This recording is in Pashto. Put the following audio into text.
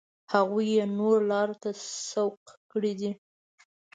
هغوی یې نورو لارو ته سوق کړي دي.